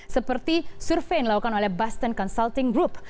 seperti survei yang dilakukan oleh boston consulting group